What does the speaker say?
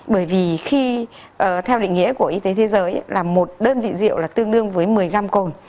bởi vì khi theo định nghĩa của y tế thế giới là một đơn vị rượu là tương đương với một mươi gram cồn